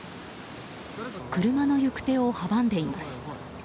車の行く手を阻んでいます。